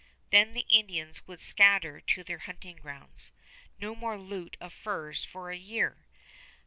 Then the Indians would scatter to their hunting grounds. No more loot of furs for a year!